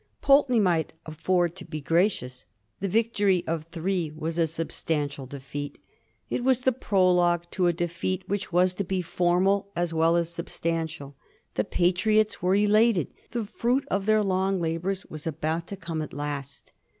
Pulteney might afford to be gracious. The victory of three was a substantial defeat. It was the prologue to a defeat which was to be formal as well as substantial. The Patriots were elated. The fruit of their long labors was about to come at last.